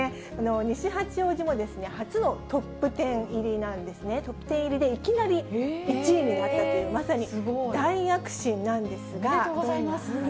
西八王子も、初のトップ１０入りなんですね、トップ１０入りでいきなり１位になったという、おめでとうございます。